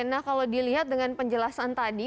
nah kalau dilihat dengan penjelasan tadi